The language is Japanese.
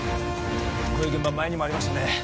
こういう現場前にもありましたね